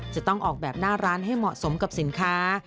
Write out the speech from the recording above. จะต้องออกแบบหน้าร้านให้เหมาะสมกับสินค้า